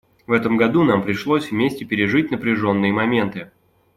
В этом году нам пришлось вместе пережить напряженные моменты.